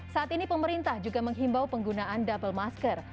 saat ini pemerintah juga menghimbau penggunaan double masker